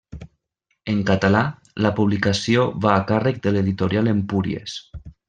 En català, la publicació va a càrrec de l'Editorial Empúries.